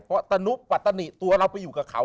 เพราะตนุปัตตนิตัวเราไปอยู่กับเขา